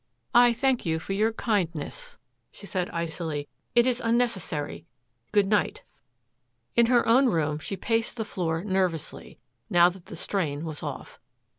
"I thank you for your kindness," she said icily. "It is unnecessary. Good night." In her own room she paced the floor nervously, now that the strain was off.